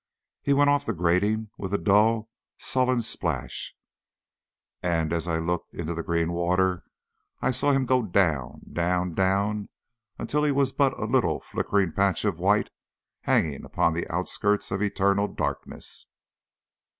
He went off the grating with a dull, sullen splash, and as I looked into the green water I saw him go down, down, down until he was but a little flickering patch of white hanging upon the outskirts of eternal darkness.